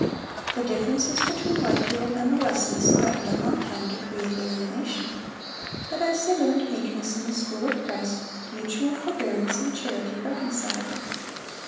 The differences between Whitefield and the Wesleys threatened at one time to create alienation; but as they learned meekness in the school of Christ, mutual forbearance and charity reconciled them.